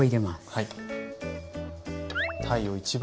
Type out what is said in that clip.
はい。